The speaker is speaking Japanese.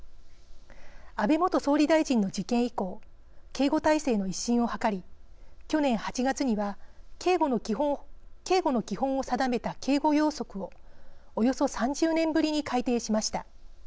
安倍元総理大臣の事件以降警護態勢の一新を図り去年８月には警護の基本を定めた警護要則をおよそ３０年ぶりに改訂しました。